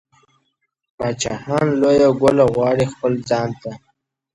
پاچاهان لویه گوله غواړي خپل ځان ته